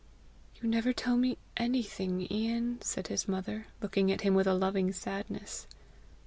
"You never tell me anything, Ian!" said his mother, looking at him with a loving sadness.